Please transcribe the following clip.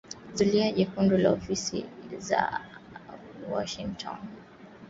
Zulia Jekundu na Ofisi za Washington